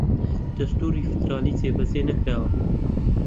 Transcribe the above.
دەستووری فیدڕاڵی جێبەجێ نەکراوە